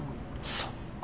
そっか。